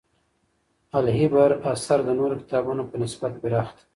د «العِبر» اثر د نورو کتابونو په نسبت پراخ دی.